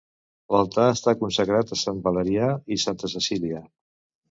L'altar està consagrat a Sant Valerià i Santa Cecília.